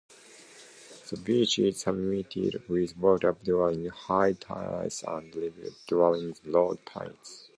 The beach is submerged with water during high tides and revealed during low tides.